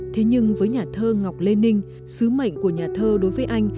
thế nhưng với nhà thơ ngọc lê ninh sứ mệnh của nhà thơ đối với anh